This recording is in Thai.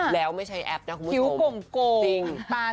แล้วไม่ใช้แอปนะคุณผู้ชม